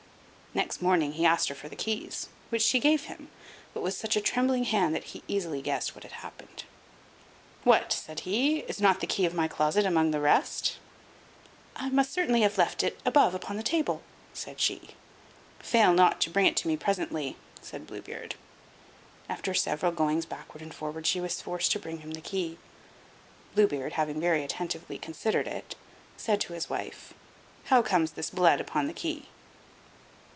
Next morning he asked her for the keys, which she gave him, but with such a trembling hand that he easily guessed what had happened. "What!" said he, "is not the key of my closet among the rest?" "I must certainly have left it above upon the table," said she. "Fail not to bring it to me presently," said Blue Beard. After several goings backward and forward she was forced to bring him the key. Blue Beard, having very attentively considered it, said to his wife, "How comes this blood upon the key?"